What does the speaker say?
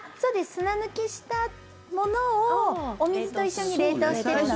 砂抜きしたものをお水と一緒に冷凍しているので。